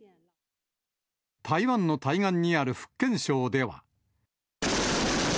台湾の対岸にある福建省では。